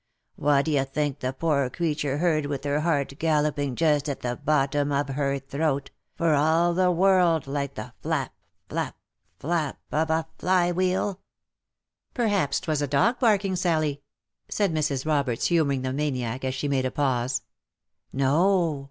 What d'ye think the poor cretur heard with her heart galloping just at the bottom of her throat, for all the world like the flap — flap — flap of a fly wheel V* " Perhaps 'twas a dog barking, Sally," said Mrs. Roberts, humour ing the maniac as she made a pause. " No